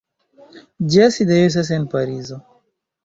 Ĝia sidejo estas en Parizo.